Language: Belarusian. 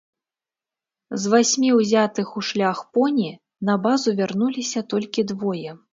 З васьмі узятых у шлях поні на базу вярнуліся толькі двое.